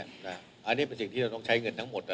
อันนี้เป็นสิ่งที่เราต้องใช้เงินทั้งหมด